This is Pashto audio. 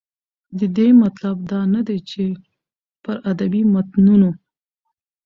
د دې مطلب دا نه دى، چې پر ادبي متونو